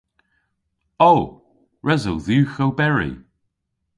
O. Res o dhywgh oberi.